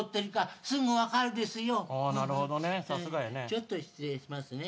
ちょっと失礼しますね。